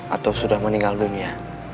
atau sudah meninggal dunia